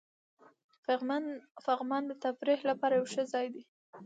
پغمان د تفریح لپاره یو ښه ځای دی.